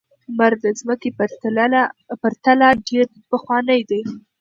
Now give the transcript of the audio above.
لمر د ځمکې په پرتله ډېر پخوانی دی.